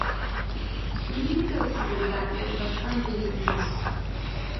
Su límite occidental es bastante impreciso.